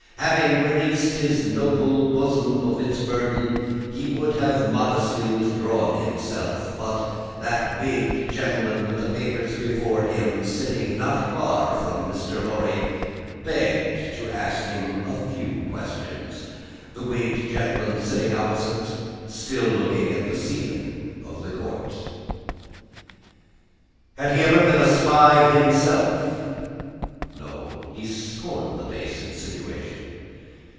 Having released his noble bosom of its burden, he would have modestly withdrawn himself, but that the wigged gentleman with the papers before him, sitting not far from Mr. Lorry, begged to ask him a few questions. The wigged gentleman sitting opposite, still looking at the ceiling of the court. Had he ever been a spy himself? No, he scorned the base insinuation.